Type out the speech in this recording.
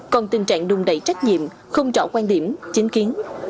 còn tình trạng đùng đẩy trách nhiệm không rõ quan điểm chính kiến